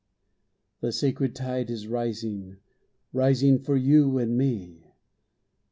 The sacred tide is rising, Rising for you and me.